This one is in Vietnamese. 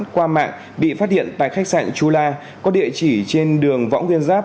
qua mạng bị phát hiện tại khách sạn chula có địa chỉ trên đường võng nguyên giáp